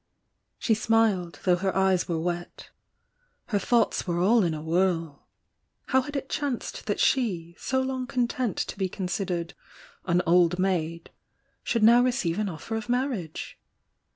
She smiled, though her eyes were wet. Her thoughts were all in a whirl. How had it chanced tha.t she, so long content to be considered "an old maid," should now receive an offer of marriage?